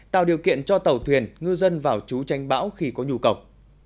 tạo điều kiện cho tàu thuyền ngư dân vào trú tranh bão khi có nhu cầu